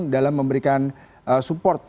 dalam memberikan support